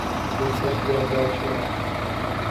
مستحضر داشتن